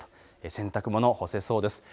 洗濯物干せそうです。